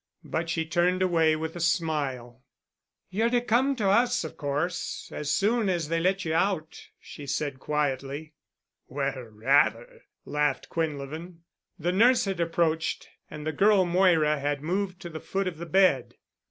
But she turned away with a smile. "You're to come to us, of course, as soon as they let you out," she said quietly. "Well, rather," laughed Quinlevin. The nurse had approached and the girl Moira had moved to the foot of the bed.